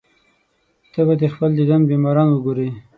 ته به د خپل دیدن بیماران وګورې.